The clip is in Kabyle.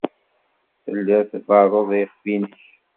Telliḍ tberruḍ i yiɣef-nnek.